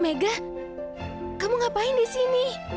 mega kamu ngapain di sini